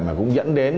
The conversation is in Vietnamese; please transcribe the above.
mà cũng dẫn đến